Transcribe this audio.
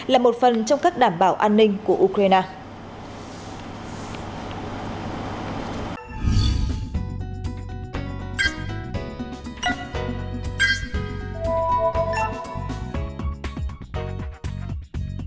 là một phần trong các đảm bảo an ninh của ukraine